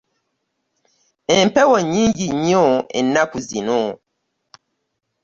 Empewo nnnnnyingi nnyo ennaku zino.